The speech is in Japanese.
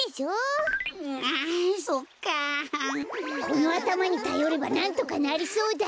このあたまにたよればなんとかなりそうだ！